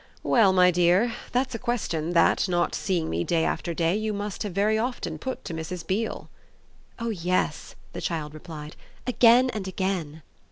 Well, my dear, that's a question that, not seeing me day after day, you must very often have put to Mrs. Beale." "Oh yes," the child replied; "again and again."